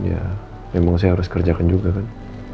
ya memang saya harus kerjakan juga kan